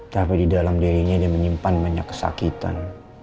tapi di dalam dirinya dia menyimpan banyak kesakitan